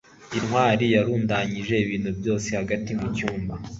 ntwali yarundanyije ibintu byose hagati mu cyumba